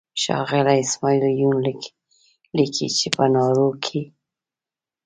ښاغلی اسماعیل یون لیکي چې په نارو کې.